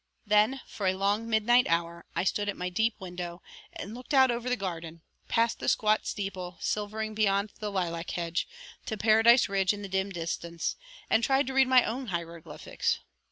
Then for a long midnight hour I stood at my deep window and looked out over the garden, past the squat steeple silvering beyond the lilac hedge, to Paradise Ridge in the dim distance, and tried to read my own hieroglyphics.